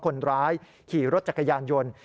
คนร้ายขี่รถจักรยานยนต์